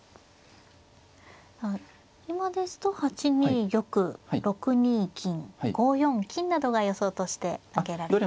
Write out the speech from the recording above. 今ですと８二玉６二金５四金などが予想として挙げられていますね。